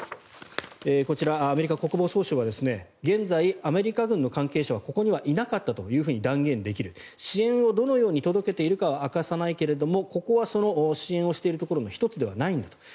こちら、アメリカ国防総省は現在、アメリカ軍の関係者はここにはいなかったというふうに断言できる支援をどのように届けているかは明かさないけどもここはその支援をしているところの１つではないんだと。